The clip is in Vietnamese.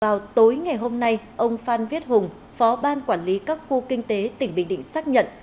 vào tối ngày hôm nay ông phan viết hùng phó ban quản lý các khu kinh tế tỉnh bình định xác nhận